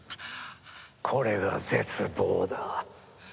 これが絶望だ。